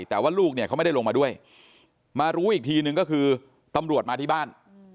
แต่ว่าลูกเนี่ยเขาไม่ได้ลงมาด้วยมารู้อีกทีนึงก็คือตำรวจมาที่บ้าน